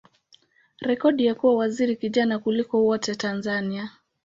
rekodi ya kuwa waziri kijana kuliko wote Tanzania.